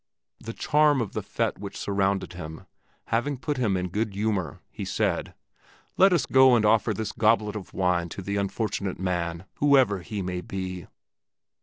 The charm of the fête which surrounded him having put him in good humor, he said, "Let us go and offer this goblet of wine to the unfortunate man, whoever he may be."